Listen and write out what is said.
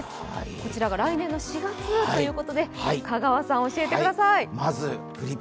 こちらが来年の４月ということで、香川さん教えてください。